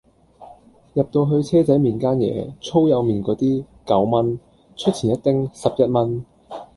入到去車仔麵間野粗幼麵果啲九蚊出前一丁十一蚊